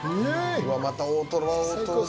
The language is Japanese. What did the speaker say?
うわっまた大トロは大トロで。